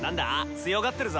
強がってるぞ。